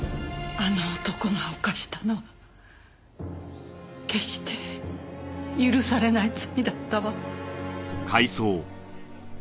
あの男が犯したのは決して許されない罪だったわ。